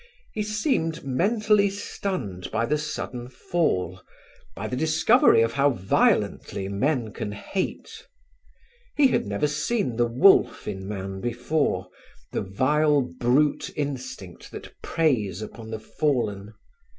He seemed mentally stunned by the sudden fall, by the discovery of how violently men can hate. He had never seen the wolf in man before; the vile brute instinct that preys upon the fallen.